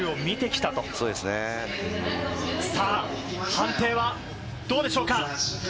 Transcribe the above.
判定はどうでしょうか？